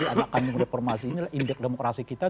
anak kandung reformasi ini indeks demokrasi kita